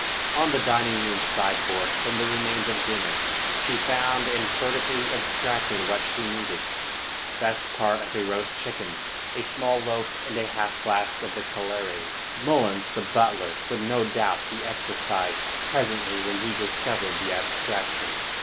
On the dining room sideboard, from the remains of dinner, she found and furtively abstracted what she needed best part of a roast chicken, a small loaf and a half flask of Collares. Mullins, the butler, would no doubt be exercised presently when he discovered the abstraction.